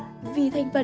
giúp vết thương màu lành